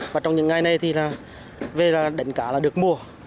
và trong những ngày này về đánh cá được mùa